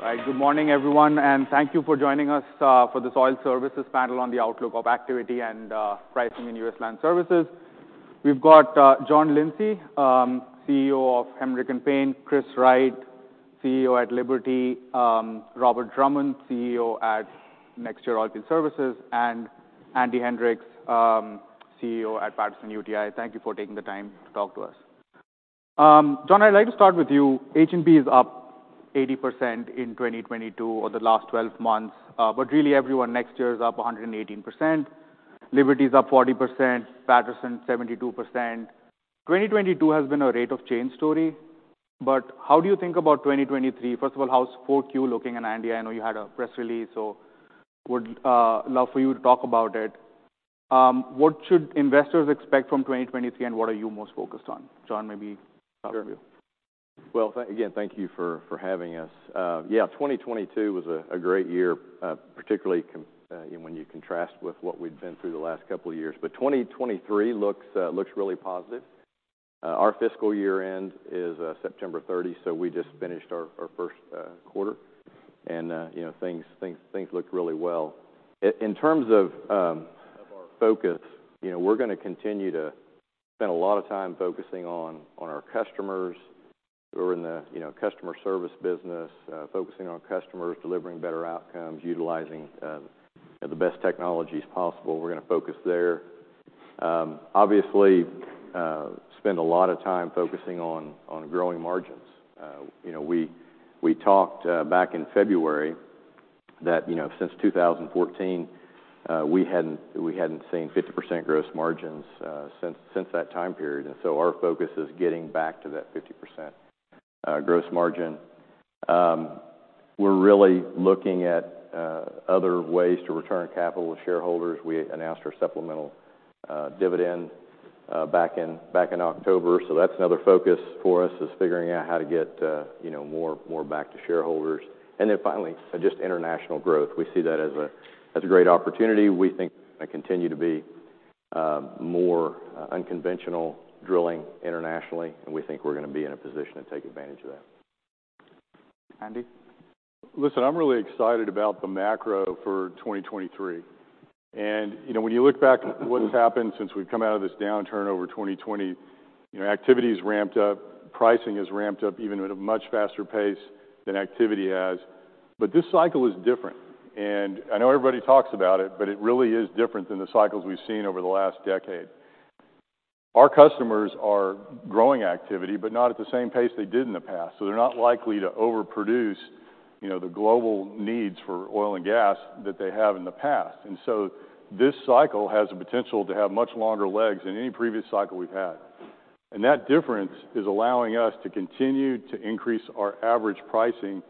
All right. Good morning, everyone, and thank you for joining us for this oil services panel on the outlook of activity and pricing in U.S. land services. We've got John Lindsay, CEO of Helmerich & Payne, Chris Wright, CEO at Liberty, Robert Drummond, CEO at NexTier Oilfield Solutions, and Andy Hendricks, CEO at Patterson-UTI. Thank you for taking the time to talk to us. John, I'd like to start with you. HMP is up 80% in 2022, or the last 12 months. Really everyone, NexTier is up 118%, Liberty is up 40%, Patterson-UTI 72%. 2022 has been a rate of change story. How do you think about 2023? First of all, how's 4Q looking in India? I know you had a press release, so would love for you to talk about it. What should investors expect from 2023, and what are you most focused on? John, maybe start with you. Well, again, thank you for having us. Yeah, 2022 was a great year, particularly when you contrast with what we've been through the last couple of years. 2023 looks really positive. Our fiscal year end is September 30, so we just finished our first quarter. You know, things looked really well. In terms of our focus, you know, we're gonna continue to spend a lot of time focusing on our customers. We're in the, you know, customer service business, focusing on customers, delivering better outcomes, utilizing the best technologies possible. We're gonna focus there. Obviously, spend a lot of time focusing on growing margins. You know, we talked back in February that, you know, since 2014, we hadn't seen 50% gross margins since that time period. Our focus is getting back to that 50% gross margin. We're really looking at other ways to return capital to shareholders. We announced our supplemental dividend back in October. That's another focus for us, is figuring out how to get, you know, more back to shareholders. Finally, just international growth. We see that as a great opportunity. We think there's gonna continue to be more unconventional drilling internationally, and we think we're gonna be in a position to take advantage of that. Andy. Listen, I'm really excited about the macro for 2023. You know, when you look back at what has happened since we've come out of this downturn over 2020, you know, activity's ramped up, pricing has ramped up even at a much faster pace than activity has. This cycle is different. I know everybody talks about it, but it really is different than the cycles we've seen over the last decade. Our customers are growing activity, but not at the same pace they did in the past. They're not likely to overproduce, you know, the global needs for oil and gas that they have in the past. This cycle has the potential to have much longer legs than any previous cycle we've had. That difference is allowing us to continue to increase our average pricing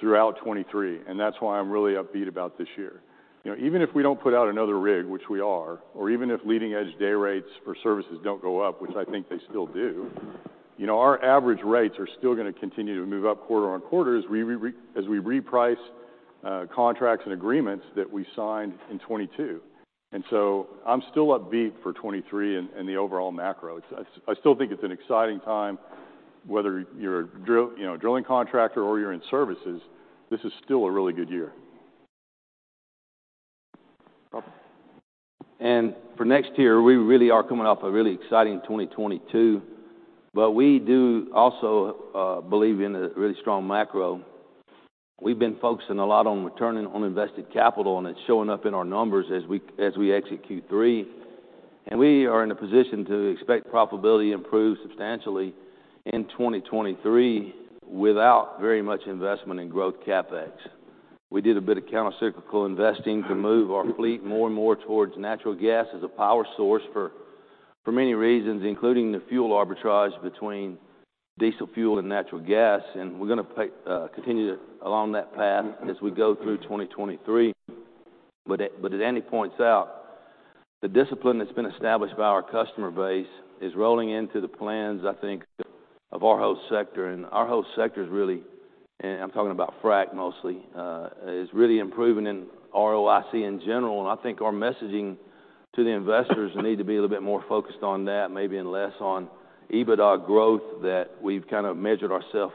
throughout 2023, and that's why I'm really upbeat about this year. You know, even if we don't put out another rig, which we are, or even if leading-edge day rates for services don't go up, which I think they still do, you know, our average rates are still gonna continue to move up quarter-on-quarter as we reprice contracts and agreements that we signed in 2022. I'm still upbeat for 2023 and the overall macro. It's, I still think it's an exciting time, whether you're a, you know, drilling contractor or you're in services, this is still a really good year. Robert. For NexTier, we really are coming off a really exciting 2022, but we do also believe in a really strong macro. We've been focusing a lot on returning on invested capital, and it's showing up in our numbers as we execute three. We are in a position to expect profitability to improve substantially in 2023 without very much investment in growth CapEx. We did a bit of countercyclical investing to move our fleet more and more towards natural gas as a power source for many reasons, including the fuel arbitrage between diesel fuel and natural gas, and we're going to continue along that path as we go through 2023. As Andy Hendricks points out, the discipline that's been established by our customer base is rolling into the plans, I think, of our whole sector. Our whole sector is really, and I'm talking about frac mostly, is really improving in ROIC in general. I think our messaging to the investors need to be a little bit more focused on that, maybe, and less on EBITDA growth that we've kind of measured ourself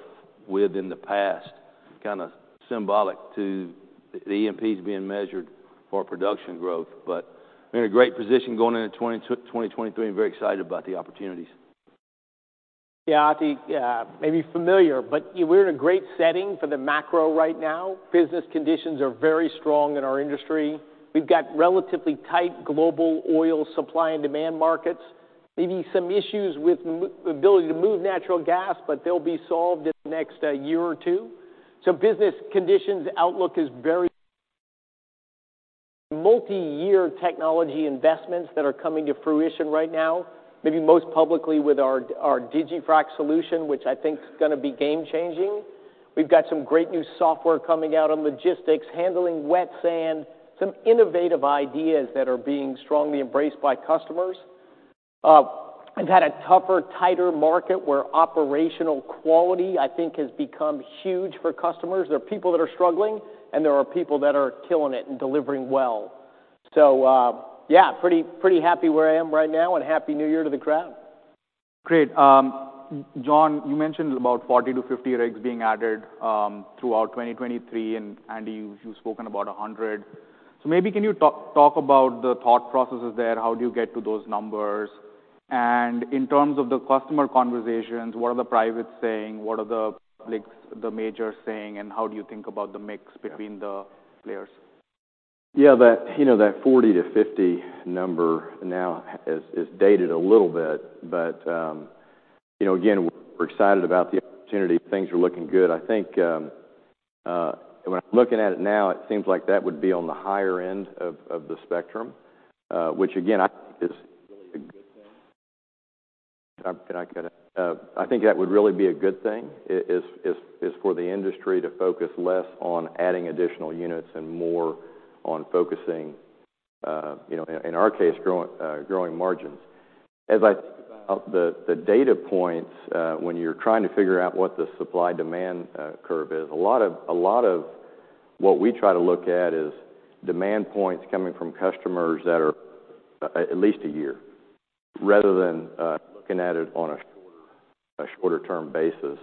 with in the past, kinda symbolic to the E&Ps being measured for production growth. We're in a great position going into 2023 and very excited about the opportunities. Yeah, maybe familiar, we're in a great setting for the macro right now. Business conditions are very strong in our industry. We've got relatively tight global oil supply and demand markets. Maybe some issues with the ability to move natural gas, they'll be solved in the next year or two. Business conditions outlook is very multi-year technology investments that are coming to fruition right now, maybe most publicly with our DigiFrac solution, which I think is gonna be game changing. We've got some great new software coming out on logistics, handling wet sand, some innovative ideas that are being strongly embraced by customers. We've had a tougher, tighter market where operational quality, I think, has become huge for customers. There are people that are struggling, and there are people that are killing it and delivering well. Yeah, pretty happy where I am right now, and happy New Year to the crowd. Great. John, you mentioned about 40-50 rigs being added throughout 2023. Andy, you've spoken about 100. Maybe can you talk about the thought processes there? How do you get to those numbers? In terms of the customer conversations, what are the privates saying? What are the publics, the majors saying, and how do you think about the mix between the players? Yeah. That, you know, that 40-50 number now is dated a little bit. You know, again, we're excited about the opportunity. Things are looking good. I think, when I'm looking at it now, it seems like that would be on the higher end of the spectrum, which again, I think is really a good thing. Can I cut in? I think that would really be a good thing, is for the industry to focus less on adding additional units and more on focusing, you know, in our case, growing margins. As I think about the data points, when you're trying to figure out what the supply-demand curve is, a lot of what we try to look at is demand points coming from customers that are at least a year, rather than looking at it on a shorter-term basis.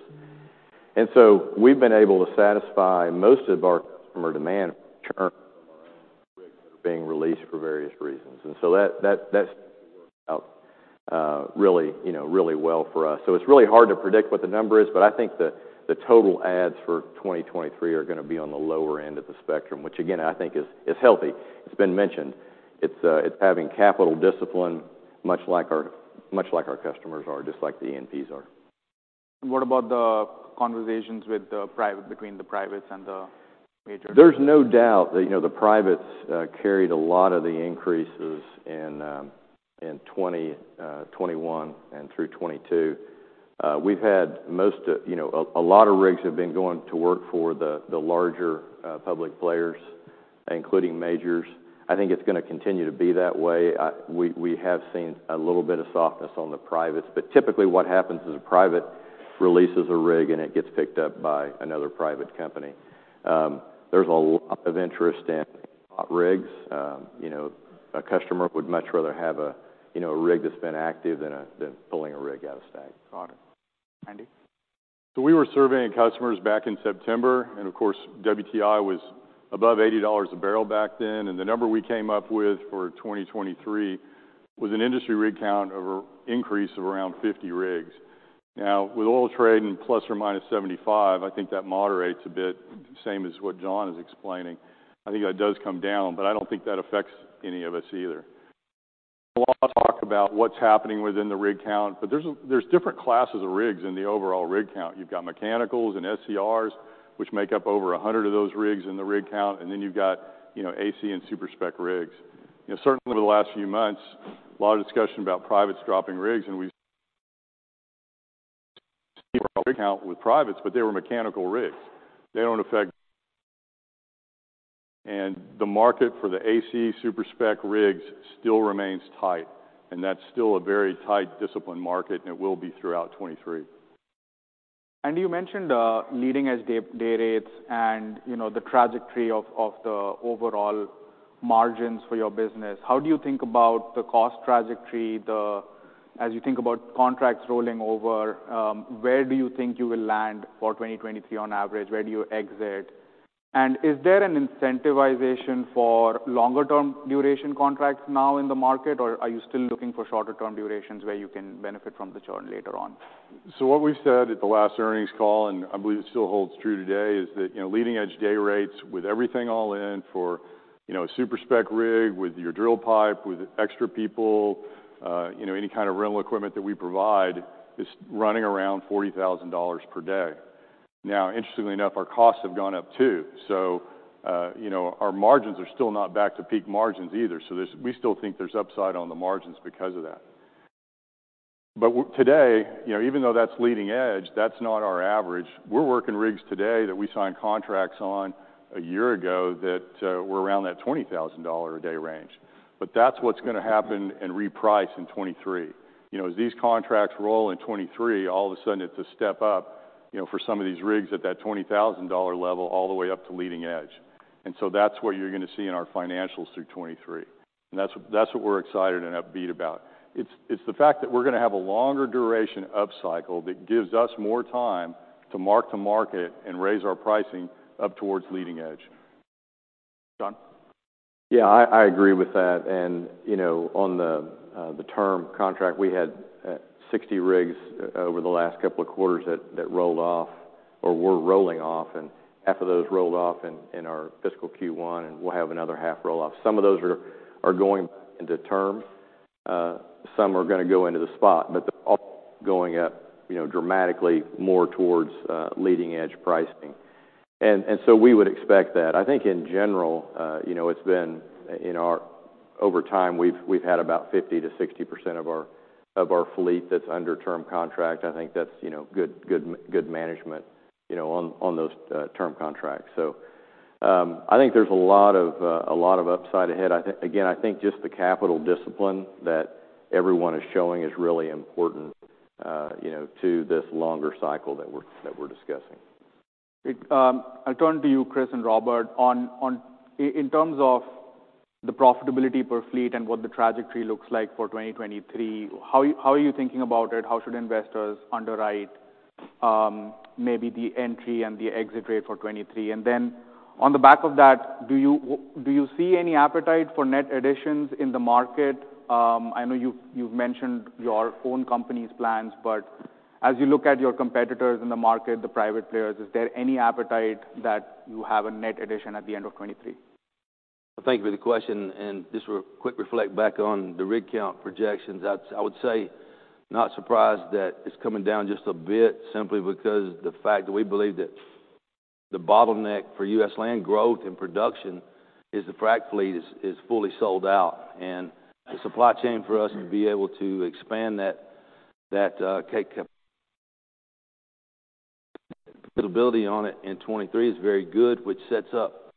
We've been able to satisfy most of our customer demand return from our own rigs that are being released for various reasons. That seems to work out, really, you know, really well for us. It's really hard to predict what the number is, but I think the total adds for 2023 are gonna be on the lower end of the spectrum, which again, I think is healthy. It's been mentioned. It's having capital discipline much like our customers are, just like the E&Ps are. What about the conversations between the privates and the majors? There's no doubt that, you know, the privates carried a lot of the increases in 2021 and through 2022. We've had most of, you know, a lot of rigs have been going to work for the larger public players, including majors. I think it's gonna continue to be that way. We have seen a little bit of softness on the privates, but typically what happens is a private releases a rig, and it gets picked up by another private company. There's a lot of interest in bought rigs. You know, a customer would much rather have a, you know, a rig that's been active than pulling a rig out of stack. Got it. Andy? We were surveying customers back in September. Of course, WTI was above $80 a barrel back then. The number we came up with for 2023 was an industry rig count of a increase of around 50 rigs. Now, with oil trading ±75, I think that moderates a bit, same as what John is explaining. I think that does come down. I don't think that affects any of us either. A lot of talk about what's happening within the rig count. There's different classes of rigs in the overall rig count. You've got mechanicals and SCR, which make up over 100 of those rigs in the rig count. You've got, you know, AC and super-spec rigs. You know, certainly over the last few months, a lot of discussion about privates dropping rigs, and we've seen rig count with privates, but they were mechanical rigs. They don't affect. The market for the AC super-spec rigs still remains tight, and that's still a very tight, disciplined market, and it will be throughout 2023. Andy, you mentioned leading as day rates and, you know, the trajectory of the overall margins for your business. How do you think about the cost trajectory? As you think about contracts rolling over, where do you think you will land for 2023 on average? Where do you exit? Is there an incentivization for longer term duration contracts now in the market, or are you still looking for shorter term durations where you can benefit from the churn later on? What we've said at the last earnings call, and I believe it still holds true today, is that, you know, leading edge day rates with everything all in for, you know, a super-spec rig with your drill pipe, with extra people, you know, any kind of rental equipment that we provide is running around $40,000 per day. Interestingly enough, our costs have gone up too. Our margins are still not back to peak margins either. We still think there's upside on the margins because of that. Today, you know, even though that's leading edge, that's not our average. We're working rigs today that we signed contracts on a year ago that were around that $20,000 a day range. That's what's gonna happen and reprice in 2023. You know, as these contracts roll in 2023, all of a sudden it's a step up, you know, for some of these rigs at that $20,000 level all the way up to leading edge. That's what you're gonna see in our financials through 2023. That's, that's what we're excited and upbeat about. It's, it's the fact that we're gonna have a longer duration upcycle that gives us more time to mark the market and raise our pricing up towards leading edge. John? Yeah. I agree with that. You know, on the term contract, we had 60 rigs over the last couple of quarters that rolled off or were rolling off. Half of those rolled off in our fiscal Q1, and we'll have another half roll off. Some of those are going into term. Some are gonna go into the spot, but they're all going up, you know, dramatically more towards leading-edge pricing. We would expect that. I think in general, you know, it's been in our over time, we've had about 50%-60% of our fleet that's under term contract. I think that's, you know, good management, you know, on those term contracts. I think there's a lot of upside ahead. Again, I think just the capital discipline that everyone is showing is really important, you know, to this longer cycle that we're discussing. It, I'll turn to you, Chris and Robert, in terms of the profitability per fleet and what the trajectory looks like for 2023, how are you thinking about it? How should investors underwrite, maybe the entry and the exit rate for 2023? On the back of that, do you see any appetite for net additions in the market? I know you've mentioned your own company's plans, but as you look at your competitors in the market, the private players, is there any appetite that you have a net addition at the end of 2023? Well, thank you for the question. Just a quick reflect back on the rig count projections. I would say not surprised that it's coming down just a bit simply because the fact that we believe that the bottleneck for U.S. land growth and production is the frac fleet is fully sold out. The supply chain for us to be able to expand that capability on it in 2023 is very good, which sets up.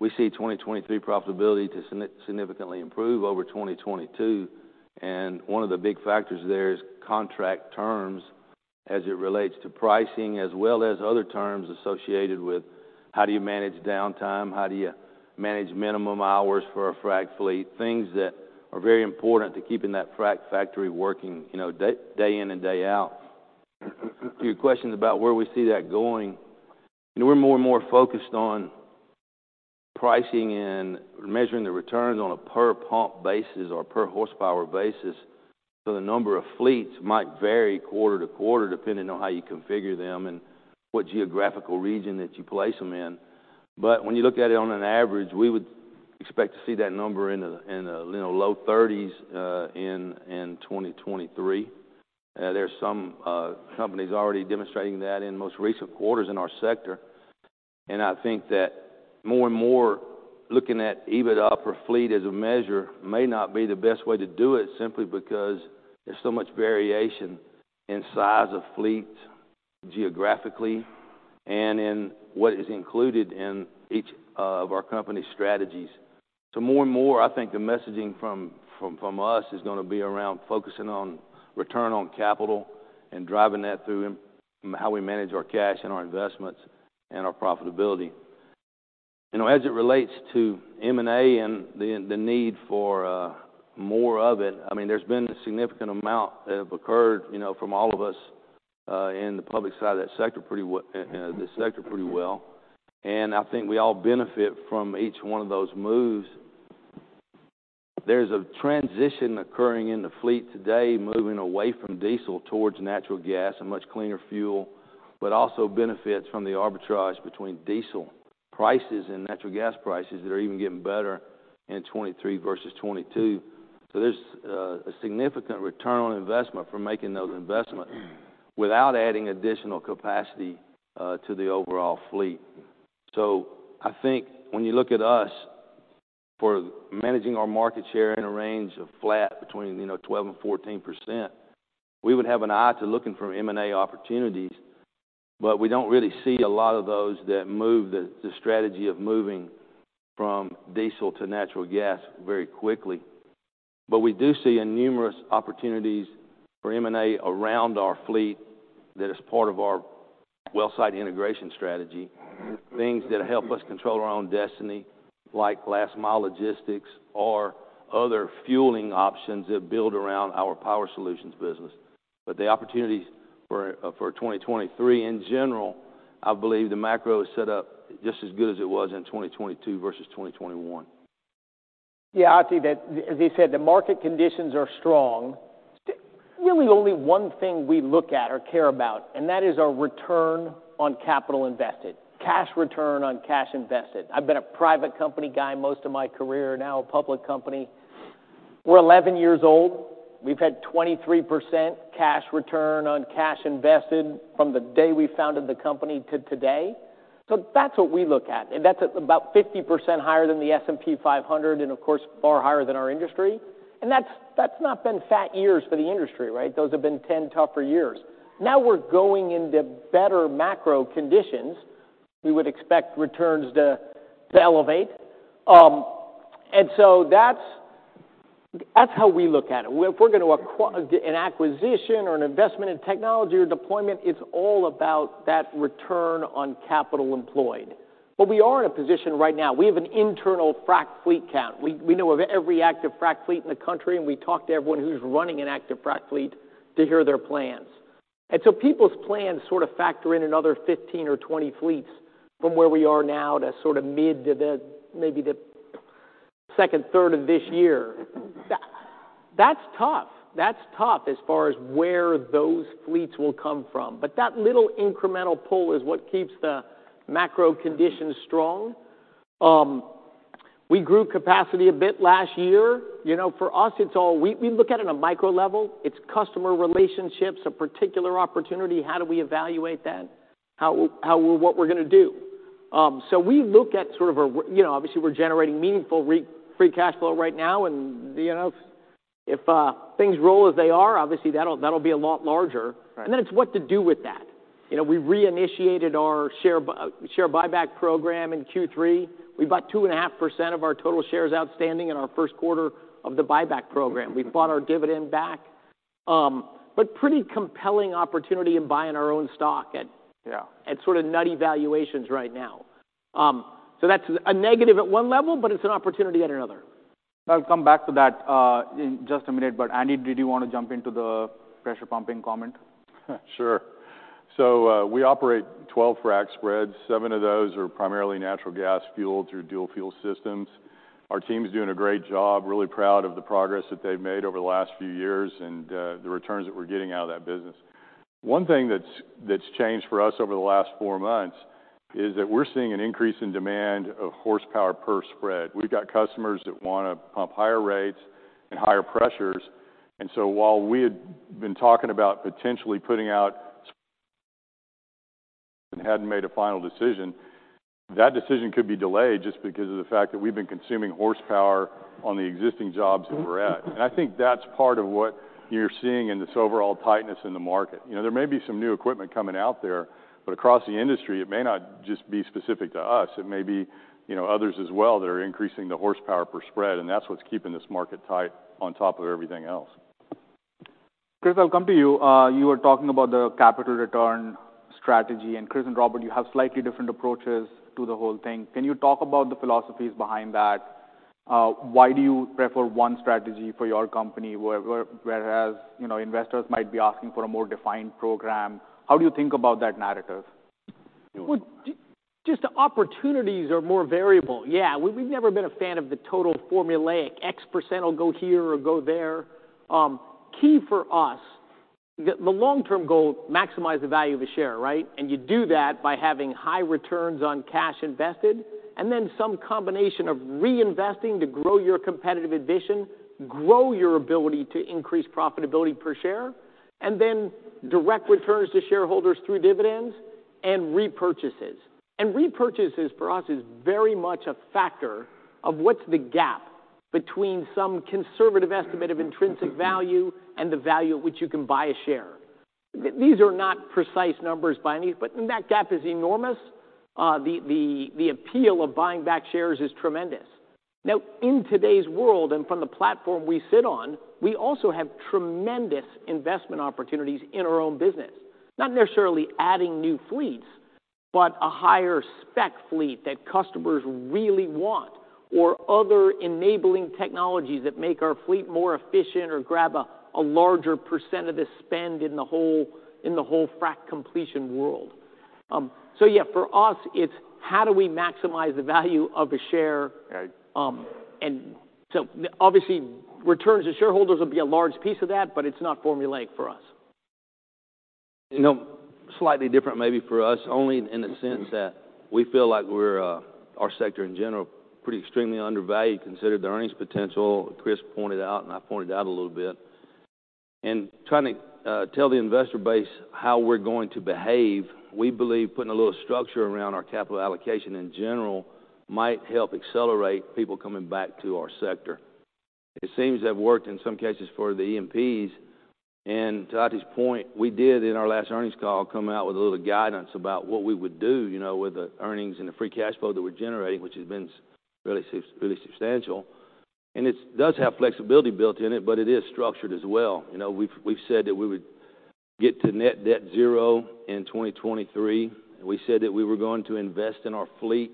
We see 2023 profitability to significantly improve over 2022, and one of the big factors there is contract terms as it relates to pricing, as well as other terms associated with how do you manage downtime, how do you manage minimum hours for a frac fleet, things that are very important to keeping that frac factory working, you know, day in and day out. To your questions about where we see that going, you know, we're more and more focused on pricing and measuring the returns on a per pump basis or per horsepower basis. The number of fleets might vary quarter-to-quarter depending on how you configure them and what geographical region that you place them in. When you look at it on an average, we would expect to see that number in a low 30s in 2023. There's some companies already demonstrating that in most recent quarters in our sector. I think that more and more looking at EBITDA per fleet as a measure may not be the best way to do it simply because there's so much variation in size of fleet geographically and in what is included in each of our company's strategies. More and more, I think the messaging from us is gonna be around focusing on return on capital and driving that through in how we manage our cash and our investments and our profitability. You know, as it relates to M&A and the need for more of it, I mean, there's been a significant amount that have occurred, you know, from all of us in the public side of that sector pretty well. I think we all benefit from each one of those moves. There's a transition occurring in the fleet today, moving away from diesel towards natural gas, a much cleaner fuel, but also benefits from the arbitrage between diesel prices and natural gas prices that are even getting better in 2023 versus 2022. There's a significant return on investment from making those investments without adding additional capacity to the overall fleet. I think when you look at us, we're managing our market share in a range of flat between, you know, 12% and 14%. We would have an eye to looking for M&A opportunities, but we don't really see a lot of those that move the strategy of moving from diesel to natural gas very quickly. We do see numerous opportunities for M&A around our fleet that is part of our well site integration strategy, things that help us control our own destiny, like last mile logistics or other fueling options that build around our Power Solutions business. The opportunities for 2023 in general, I believe the macro is set up just as good as it was in 2022 versus 2021. Yeah, I'd say that as he said, the market conditions are strong. Really only one thing we look at or care about, and that is our return on capital invested, cash return on cash invested. I've been a private company guy most of my career, now a public company. We're 11 years old. We've had 23% cash return on cash invested from the day we founded the company to today. That's what we look at. That's at about 50% higher than the S&P 500 and of course, far higher than our industry. That's, that's not been fat years for the industry, right? Those have been 10 tougher years. Now we're going into better macro conditions. We would expect returns to elevate. That's, that's how we look at it. If we're gonna acquire an acquisition or an investment in technology or deployment, it's all about that return on capital employed. We are in a position right now. We have an internal frac fleet count. We know of every active frac fleet in the country, and we talk to everyone who's running an active frac fleet to hear their plans. People's plans sort of factor in another 15 or 20 fleets from where we are now to sort of mid to the maybe the second third of this year. That's tough. That's tough as far as where those fleets will come from. That little incremental pull is what keeps the macro conditions strong. We grew capacity a bit last year. You know, for us, it's all we look at it in a micro level. It's customer relationships, a particular opportunity. How do we evaluate that? How, what we're gonna do. We look at you know, obviously, we're generating meaningful free cash flow right now. You know, if things roll as they are, obviously, that'll be a lot larger. Right. It's what to do with that. You know, we reinitiated our share buyback program in Q3. We bought 2.5% of our total shares outstanding in our first quarter of the buyback program. We've bought our dividend back. Pretty compelling opportunity in buying our own stock. Yeah. At sort of nutty valuations right now. That's a negative at one level, but it's an opportunity at another. I'll come back to that, in just a minute, but Andy, did you want to jump into the pressure pumping comment? Sure. We operate 12 frac spreads. Seven of those are primarily natural gas fueled through dual fuel systems. Our team's doing a great job. Really proud of the progress that they've made over the last few years and the returns that we're getting out of that business. One thing that's changed for us over the last four months is that we're seeing an increase in demand of horsepower per spread. We've got customers that wanna pump higher rates and higher pressures. While we had been talking about potentially putting out and hadn't made a final decision, that decision could be delayed just because of the fact that we've been consuming horsepower on the existing jobs that we're at. I think that's part of what you're seeing in this overall tightness in the market. You know, there may be some new equipment coming out there, but across the industry, it may not just be specific to us. It may be, you know, others as well that are increasing the horsepower per spread, and that's what's keeping this market tight on top of everything else. Chris, I'll come to you. You were talking about the capital return strategy, and Chris and Robert, you have slightly different approaches to the whole thing. Can you talk about the philosophies behind that? Why do you prefer one strategy for your company whereas, you know, investors might be asking for a more defined program? How do you think about that narrative? Well, just the opportunities are more variable. Yeah, we've never been a fan of the total formulaic x percent will go here or go there. Key for us, the long-term goal, maximize the value of a share, right? You do that by having high returns on cash invested, and then some combination of reinvesting to grow your competitive addition, grow your ability to increase profitability per share, and then direct returns to shareholders through dividends and repurchases. Repurchases for us is very much a factor of what's the gap between some conservative estimate of intrinsic value and the value at which you can buy a share. These are not precise numbers by any. When that gap is enormous, the appeal of buying back shares is tremendous. Now, in today's world, and from the platform we sit on, we also have tremendous investment opportunities in our own business. Not necessarily adding new fleets, but a higher spec fleet that customers really want or other enabling technologies that make our fleet more efficient or grab a larger % of the spend in the whole frac completion world. Yeah, for us, it's how do we maximize the value of a share? Right. Obviously, returns to shareholders will be a large piece of that, but it's not formulaic for us. You know, slightly different maybe for us only in the sense that we feel like we're our sector in general, pretty extremely undervalued considering the earnings potential Chris pointed out and I pointed out a little bit. Trying to tell the investor base how we're going to behave, we believe putting a little structure around our capital allocation in general might help accelerate people coming back to our sector. It seems to have worked in some cases for the E&Ps, to Atif's point, we did in our last earnings call, come out with a little guidance about what we would do, you know, with the earnings and the free cash flow that we're generating, which has been really substantial. It does have flexibility built in it, but it is structured as well. You know, we've said that we would get to net debt zero in 2023. We said that we were going to invest in our fleet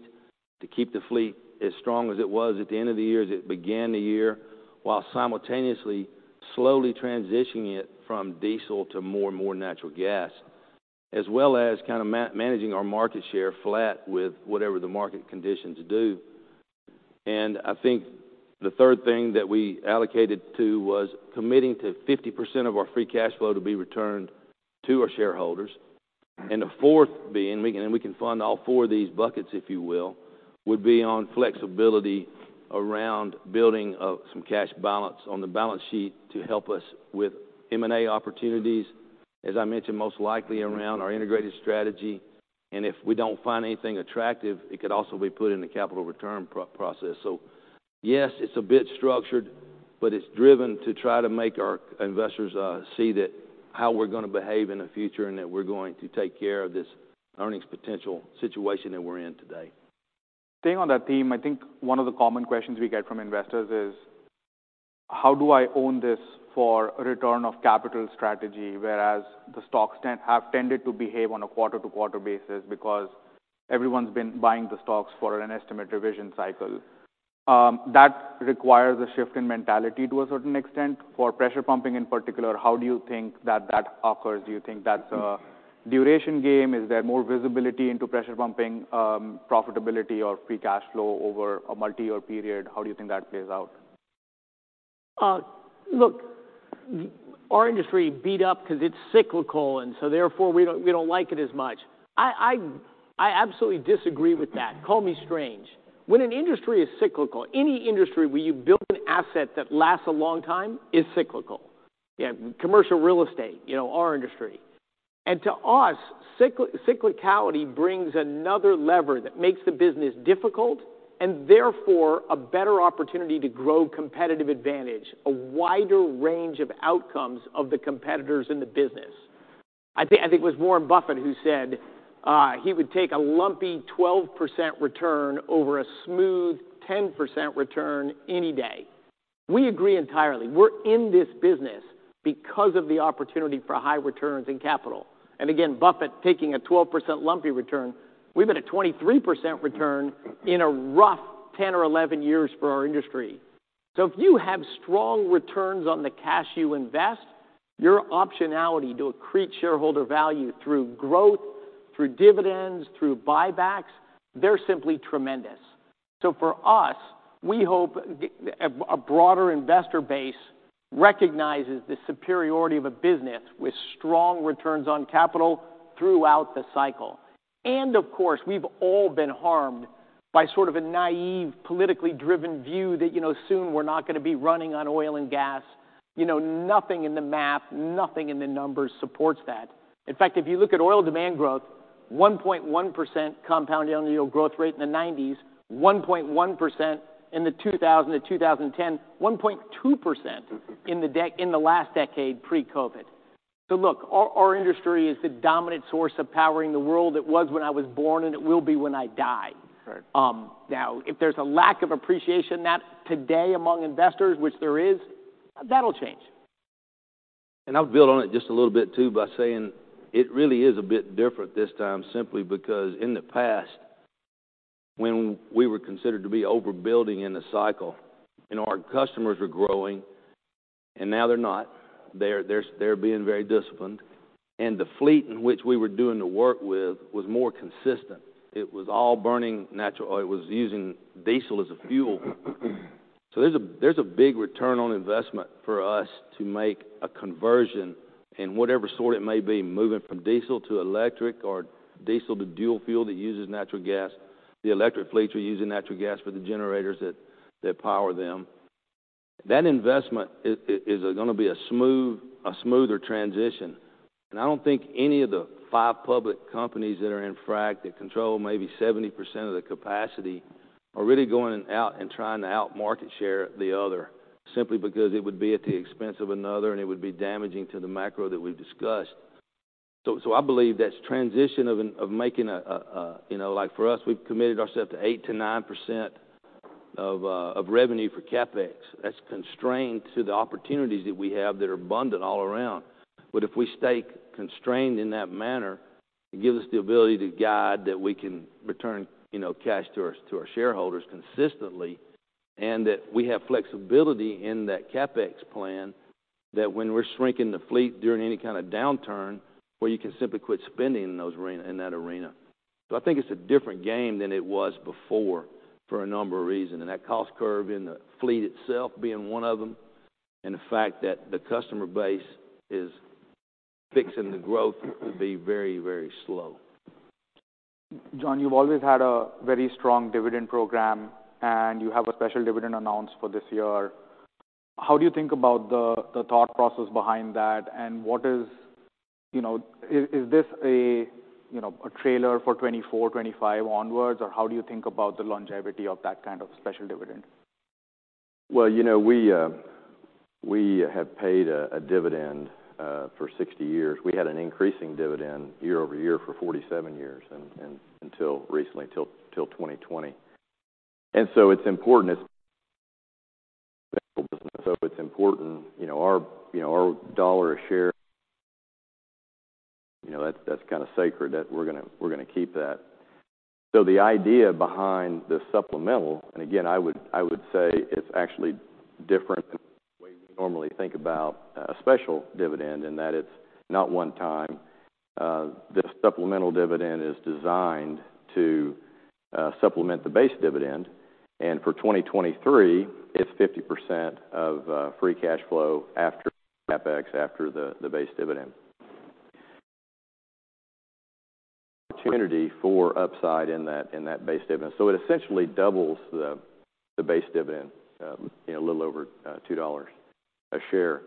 to keep the fleet as strong as it was at the end of the year as it began the year, while simultaneously slowly transitioning it from diesel to more and more natural gas, as well as kind of managing our market share flat with whatever the market conditions do. I think the third thing that we allocated to was committing to 50% of our free cash flow to be returned to our shareholders. The fourth being, we can fund all four of these buckets, if you will, would be on flexibility around building some cash balance on the balance sheet to help us with M&A opportunities, as I mentioned, most likely around our integrated strategy. If we don't find anything attractive, it could also be put in the capital return pro-process. Yes, it's a bit structured, but it's driven to try to make our investors see that how we're gonna behave in the future and that we're going to take care of this earnings potential situation that we're in today. Staying on that theme, I think one of the common questions we get from investors is, how do I own this for a return of capital strategy, whereas the stocks have tended to behave on a quarter-to-quarter basis because everyone's been buying the stocks for an estimate revision cycle. That requires a shift in mentality to a certain extent. For pressure pumping in particular, how do you think that occurs? Do you think that's a duration game? Is there more visibility into pressure pumping profitability or free cash flow over a multi-year period? How do you think that plays out? Look, our industry beat up 'cause it's cyclical, therefore, we don't like it as much. I absolutely disagree with that. Call me strange. When an industry is cyclical, any industry where you build an asset that lasts a long time is cyclical. Commercial real estate, you know, our industry. To us, cyclicality brings another lever that makes the business difficult, therefore, a better opportunity to grow competitive advantage, a wider range of outcomes of the competitors in the business. I think it was Warren Buffett who said, he would take a lumpy 12% return over a smooth 10% return any day. We agree entirely. We're in this business because of the opportunity for high returns in capital. Again, Buffett taking a 12% lumpy return, we've been at 23% return in a rough 10 or 11 years for our industry. If you have strong returns on the cash you invest, your optionality to accrete shareholder value through growth, through dividends, through buybacks, they're simply tremendous. For us, we hope a broader investor base recognizes the superiority of a business with strong returns on capital throughout the cycle. Of course, we've all been harmed by sort of a naive, politically driven view that, you know, soon we're not gonna be running on oil and gas. You know, nothing in the math, nothing in the numbers supports that. In fact, if you look at oil demand growth, 1.1% compound annual growth rate in the 1990s, 1.1% in the 2000-2010, 1.2% in the last decade pre-COVID. Look, our industry is the dominant source of powering the world. It was when I was born, and it will be when I die. Right. If there's a lack of appreciation that today among investors, which there is, that'll change. I'll build on it just a little bit too by saying it really is a bit different this time, simply because in the past, when we were considered to be overbuilding in a cycle and our customers were growing, and now they're not. They're being very disciplined. The fleet in which we were doing the work with was more consistent. It was using diesel as a fuel. There's a big return on investment for us to make a conversion in whatever sort it may be, moving from diesel to electric or diesel to dual fuel that uses natural gas. The electric fleets are using natural gas for the generators that power them. That investment is gonna be a smoother transition. I don't think any of the five public companies that are in frac that control maybe 70% of the capacity are really going out and trying to outmarket share the other, simply because it would be at the expense of another, and it would be damaging to the macro that we've discussed. I believe that's transition of making a, you know. Like for us, we've committed ourselves to 8%-9% of revenue for CapEx. That's constrained to the opportunities that we have that are abundant all around. If we stay constrained in that manner, it gives us the ability to guide that we can return, you know, cash to our, to our shareholders consistently, and that we have flexibility in that CapEx plan, that when we're shrinking the fleet during any kind of downturn where you can simply quit spending in that arena. I think it's a different game than it was before for a number of reasons, and that cost curve in the fleet itself being one of them, and the fact that the customer base is fixing the growth to be very, very slow. John, you've always had a very strong dividend program, and you have a special dividend announced for this year. How do you think about the thought process behind that, and what is, you know, is this a, you know, a trailer for 2024, 2025 onwards, or how do you think about the longevity of that kind of special dividend? Well, you know, we have paid a dividend for 60 years. We had an increasing dividend year-over-year for 47 years until recently, till 2020. It's important. So it's important, you know, our, you know, our $1 a share. You know, that's kind of sacred that we're gonna keep that. The idea behind the supplemental, and again, I would say it's actually different than the way we normally think about a special dividend in that it's not one time. This supplemental dividend is designed to supplement the base dividend. For 2023, it's 50% of free cash flow after CapEx, after the base dividend. Opportunity for upside in that base dividend. It essentially doubles the base dividend, you know, a little over $2 a share.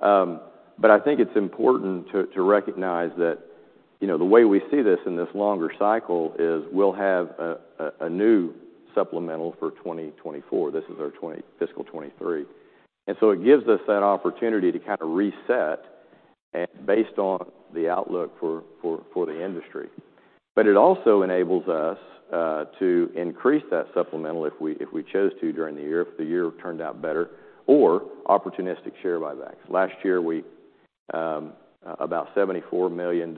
I think it's important to recognize that, you know, the way we see this in this longer cycle is we'll have a new supplemental for 2024. This is our fiscal 2023. It gives us that opportunity to kind of reset based on the outlook for the industry. It also enables us to increase that supplemental if we chose to during the year, if the year turned out better, or opportunistic share buybacks. Last year, we about $74 million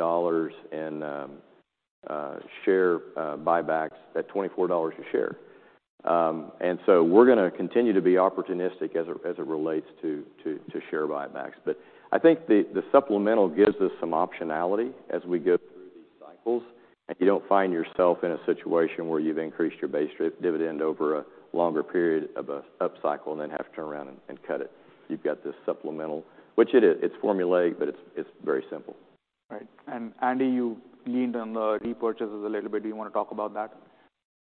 in share buybacks at $24 a share. We're gonna continue to be opportunistic as it relates to share buybacks. I think the supplemental gives us some optionality as we go through these cycles, and you don't find yourself in a situation where you've increased your base dividend over a longer period of a upcycle and then have to turn around and cut it. You've got this supplemental, which it is. It's formulaic, but it's very simple. Right. Andy, you leaned on the repurchases a little bit. Do you wanna talk about that?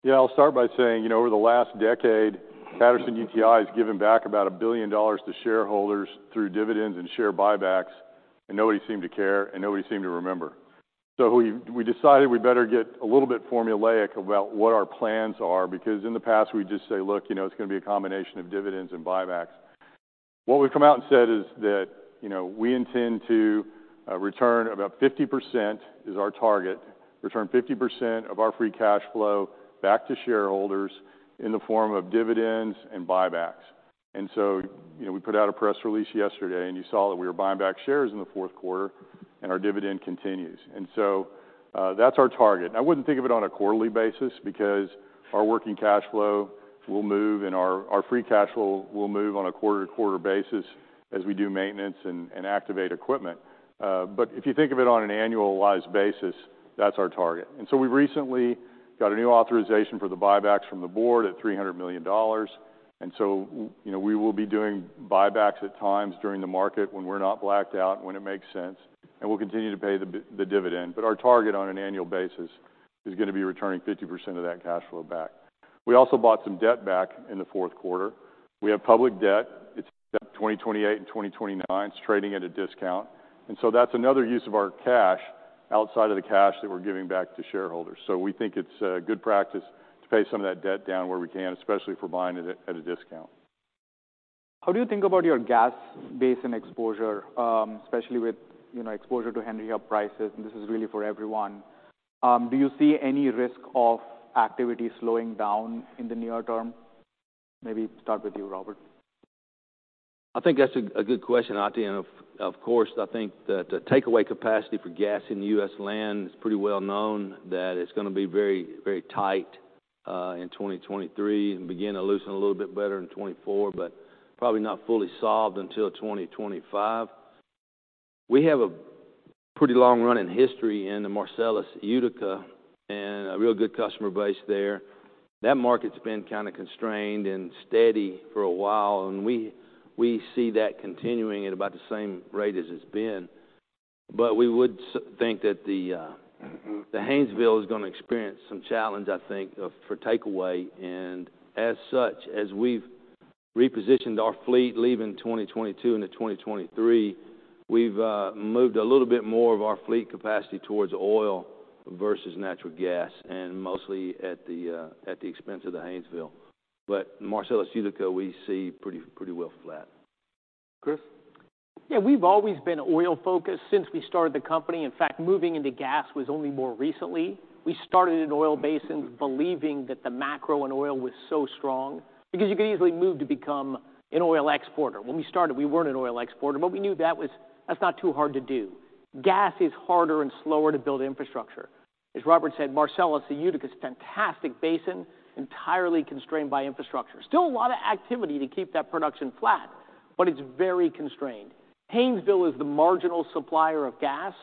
Yeah, I'll start by saying, you know, over the last decade, Patterson-UTI has given back about $1 billion to shareholders through dividends and share buybacks. Nobody seemed to care. Nobody seemed to remember. We decided we better get a little bit formulaic about what our plans are, because in the past, we just say, "Look, you know, it's gonna be a combination of dividends and buybacks." What we've come out and said is that, you know, we intend to return about 50% is our target, return 50% of our free cash flow back to shareholders in the form of dividends and buybacks. You know, we put out a press release yesterday, and you saw that we were buying back shares in the fourth quarter, and our dividend continues. That's our target. I wouldn't think of it on a quarterly basis because our working cash flow will move and our free cash flow will move on a quarter-to-quarter basis as we do maintenance and activate equipment. If you think of it on an annualized basis, that's our target. We recently got a new authorization for the buybacks from the board at $300 million. You know, we will be doing buybacks at times during the market when we're not blacked out, when it makes sense, and we'll continue to pay the dividend. Our target on an annual basis is gonna be returning 50% of that cash flow back. We also bought some debt back in the fourth quarter. We have public debt. It's debt 2028 and 2029. It's trading at a discount. That's another use of our cash outside of the cash that we're giving back to shareholders. We think it's good practice to pay some of that debt down where we can, especially if we're buying it at a discount. How do you think about your gas basin exposure, especially with, you know, exposure to Henry Hub prices? This is really for everyone. Do you see any risk of activity slowing down in the near term? Maybe start with you, Robert. I think that's a good question, I think. Of course, I think that the takeaway capacity for gas in U.S. land is pretty well known that it's gonna be very tight in 2023 and begin to loosen a little bit better in 2024, but probably not fully solved until 2025. We have a pretty long run in history in the Marcellus Utica and a real good customer base there. That market's been kinda constrained and steady for a while, and we see that continuing at about the same rate as it's been. We would think that the Haynesville is gonna experience some challenge, I think, for takeaway. As such, as we've repositioned our fleet leaving 2022 into 2023, we've moved a little bit more of our fleet capacity towards oil versus natural gas, and mostly at the expense of the Haynesville. Marcellus Utica, we see pretty well flat. Chris? Yeah, we've always been oil-focused since we started the company. In fact, moving into gas was only more recently. We started in oil basins believing that the macro in oil was so strong because you could easily move to become an oil exporter. When we started, we weren't an oil exporter, but we knew that's not too hard to do. Gas is harder and slower to build infrastructure. As Robert said, Marcellus and Utica is a fantastic basin, entirely constrained by infrastructure. Still a lot of activity to keep that production flat, but it's very constrained. Haynesville is the marginal supplier of gas.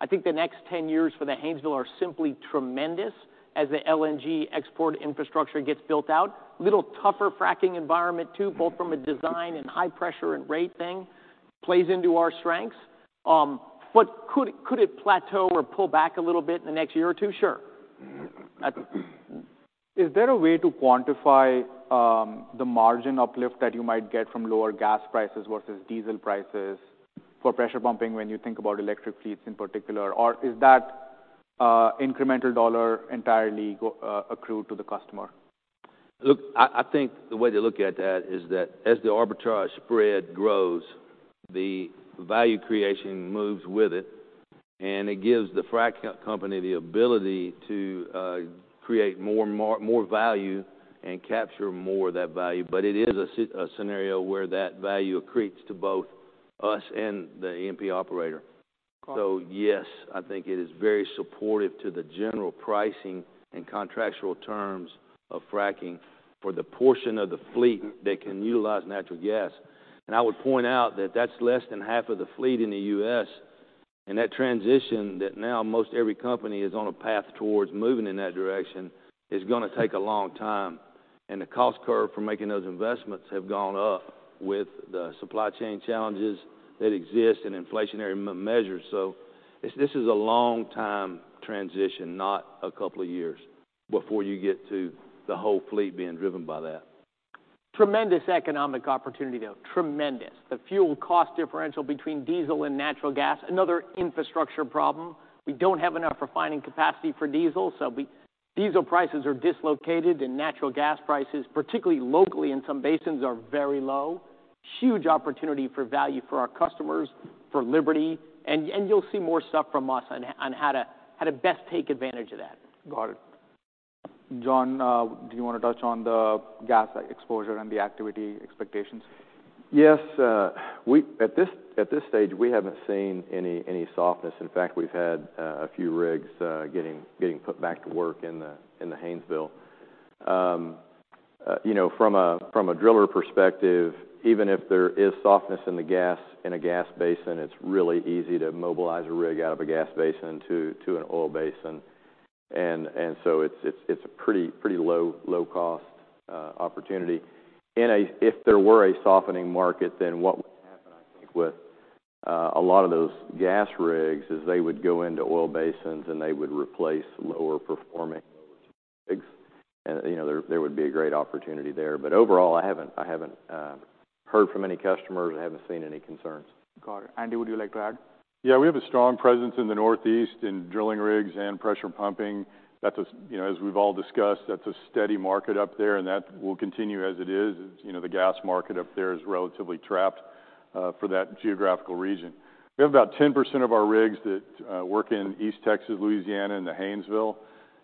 I think the next 10 years for the Haynesville are simply tremendous as the LNG export infrastructure gets built out. A little tougher fracking environment, too, both from a design and high pressure and rate thing. Plays into our strengths. Could it plateau or pull back a little bit in the next year or two? Sure. Is there a way to quantify the margin uplift that you might get from lower gas prices versus diesel prices for pressure pumping when you think about electric fleets in particular? Is that incremental dollar entirely go accrued to the customer? Look, I think the way to look at that is that as the arbitrage spread grows, the value creation moves with it, and it gives the fracking company the ability to create more value and capture more of that value. It is a scenario where that value accretes to both us and the E&P operator. Right. Yes, I think it is very supportive to the general pricing and contractual terms of fracking for the portion of the fleet that can utilize natural gas. I would point out that that's less than half of the fleet in the U.S., and that transition that now most every company is on a path towards moving in that direction is gonna take a long time. The cost curve for making those investments have gone up with the supply chain challenges that exist and inflationary measures. This is a long time transition, not a couple of years, before you get to the whole fleet being driven by that. Tremendous economic opportunity, though. Tremendous. The fuel cost differential between diesel and natural gas, another infrastructure problem. We don't have enough refining capacity for diesel. Diesel prices are dislocated, and natural gas prices, particularly locally in some basins, are very low. Huge opportunity for value for our customers, for Liberty, and you'll see more stuff from us on how to best take advantage of that. Got it. John, do you wanna touch on the gas exposure and the activity expectations? Yes. At this stage, we haven't seen any softness. In fact, we've had a few rigs getting put back to work in the Haynesville. You know, from a driller perspective, even if there is softness in a gas basin, it's really easy to mobilize a rig out of a gas basin to an oil basin. It's a pretty low cost opportunity. If there were a softening market, then what would happen, I think, with a lot of those gas rigs is they would go into oil basins, and they would replace lower performing Rigs. You know, there would be a great opportunity there. Overall, I haven't heard from any customers. I haven't seen any concerns. Got it. Andy, would you like to add? Yeah, we have a strong presence in the Northeast in drilling rigs and pressure pumping. You know, as we've all discussed, that's a steady market up there. That will continue as it is. It's, you know, the gas market up there is relatively trapped for that geographical region. We have about 10% of our rigs that work in East Texas, Louisiana, and the Haynesville.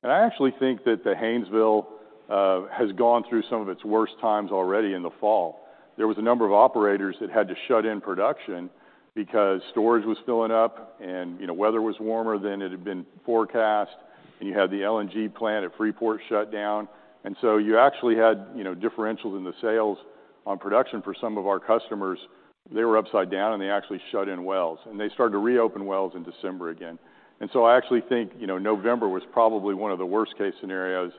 I actually think that the Haynesville has gone through some of its worst times already in the fall. There was a number of operators that had to shut in production because storage was filling up and, you know, weather was warmer than it had been forecast, and you had the LNG plant at Freeport shut down. You actually had, you know, differentials in the sales on production for some of our customers. They were upside down, and they actually shut in wells, and they started to reopen wells in December again. I actually think, you know, November was probably one of the worst-case scenarios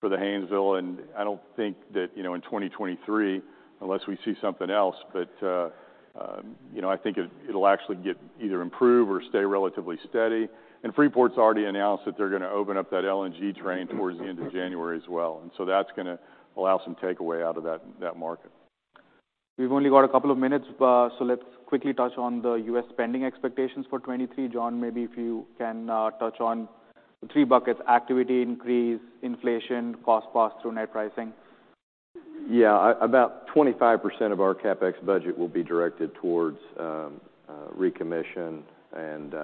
for the Haynesville, and I don't think that, you know, in 2023, unless we see something else, but, you know, I think it'll actually get either improve or stay relatively steady. Freeport's already announced that they're gonna open up that LNG train towards the end of January as well, and so that's gonna allow some takeaway out of that market. We've only got a couple of minutes. Let's quickly touch on the U.S. spending expectations for 2023. John, maybe if you can, touch on the three buckets: activity increase, inflation, cost pass through net pricing. Yeah. About 25% of our CapEx budget will be directed towards recommission and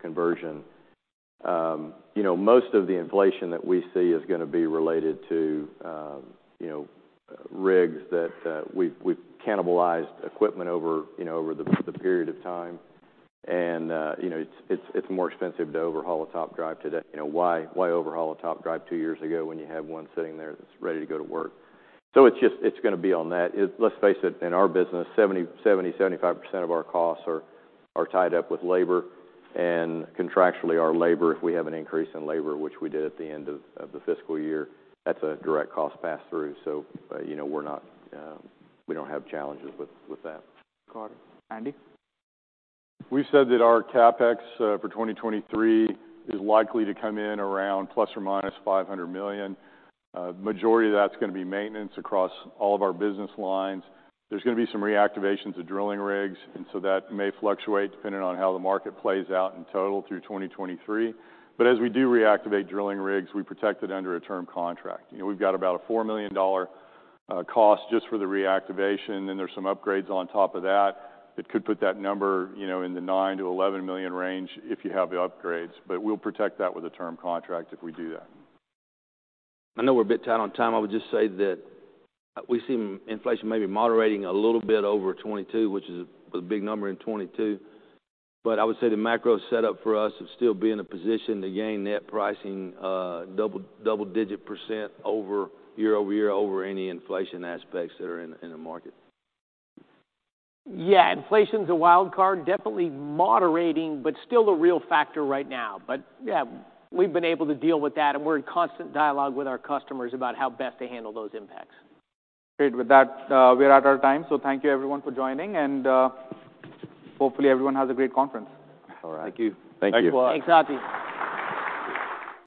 conversion. You know, most of the inflation that we see is gonna be related to, you know, rigs that we've cannibalized equipment over, you know, over the period of time. You know, it's more expensive to overhaul a top drive today. You know, why overhaul a top drive two years ago when you have one sitting there that's ready to go to work? It's just, it's gonna be on that. Let's face it, in our business, 75% of our costs are tied up with labor. Contractually, our labor, if we have an increase in labor, which we did at the end of the fiscal year, that's a direct cost pass-through, so, you know, we don't have challenges with that. Got it. Andy? We said that our CapEx, for 2023 is likely to come in around ±$500 million. Majority of that's gonna be maintenance across all of our business lines. There's gonna be some reactivations of drilling rigs. That may fluctuate depending on how the market plays out in total through 2023. As we do reactivate drilling rigs, we protect it under a term contract. You know, we've got about a $4 million cost just for the reactivation. Then there's some upgrades on top of that. It could put that number, you know, in the $9 million-$11 million range if you have the upgrades. We'll protect that with a term contract if we do that. I know we're a bit tight on time. I would just say that we've seen inflation maybe moderating a little bit over 2022, which is a big number in 2022. I would say the macro setup for us is still be in a position to gain net pricing, double digit % over year-over-year over any inflation aspects that are in the market. Yeah. Inflation's a wild card. Definitely moderating, but still a real factor right now. Yeah, we've been able to deal with that, and we're in constant dialogue with our customers about how best to handle those impacts. Great. With that, we're out of time. Thank you everyone for joining, hopefully everyone has a great conference. All right. Thank you. Thank you. Thanks a lot.